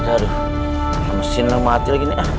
aduh mesinnya mati lagi nih